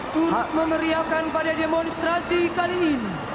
turut memeriakan pada demonstrasi kali ini